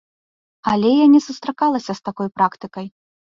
Але я не сустракалася з такой практыкай.